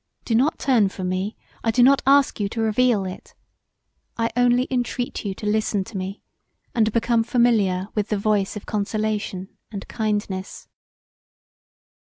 Do not turn from me; I do not ask you to reveal it: I only entreat you to listen to me and to become familiar with the voice of consolation and kindness.